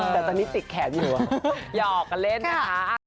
แต่ตอนนี้ติดแขนอยู่หยอกกันเล่นนะคะ